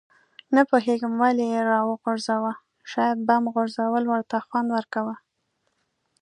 نه پوهېږم ولې یې راوغورځاوه، شاید بم غورځول ورته خوند ورکاوه.